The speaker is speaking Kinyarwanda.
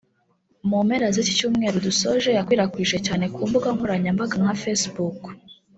mu mpera z’icyumweru dusoje yakwirakwijwe cyane ku mbuga nkoranyambaga nka facebook